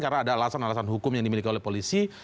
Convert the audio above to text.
karena ada alasan alasan hukum yang dimiliki oleh polisi